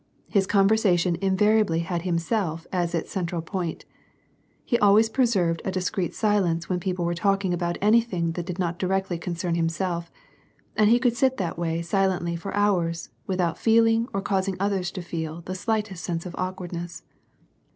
His conversation invariably had himself as its central point; he always preserved a discreet silence when people were talk ing about anything that did not directly concern himself, and he could sit that way silently for houi*s without feeling or causing others to feel the slightest sense of awkwardnes.